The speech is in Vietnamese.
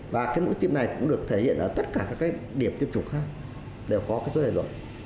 và cái mũi tiêm này cũng được thể hiện ở tất cả các điểm tiêm chủng khác đều có cái số này rồi